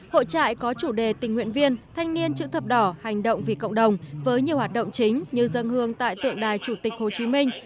hội trại có chủ đề tình nguyện viên thanh niên chữ thập đỏ hành động vì cộng đồng với nhiều hoạt động chính như dân hương tại tượng đài chủ tịch hồ chí minh